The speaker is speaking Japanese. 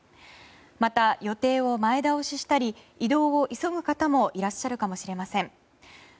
また、予定を前倒ししたり移動を急ぐ方もいらっしゃるかもしれません。